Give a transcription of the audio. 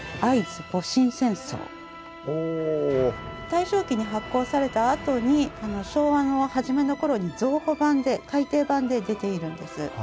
大正期に発行されたあとに昭和の初めの頃に増補版で改訂版で出ているんです。